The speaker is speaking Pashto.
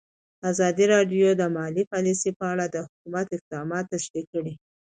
ازادي راډیو د مالي پالیسي په اړه د حکومت اقدامات تشریح کړي.